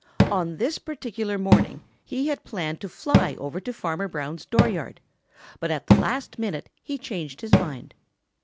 On this particular morning he had planned to fly over to Farmer Brown's dooryard, but at the last minute he changed his mind.